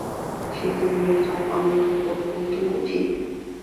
现今亦列为中华民国国定古迹。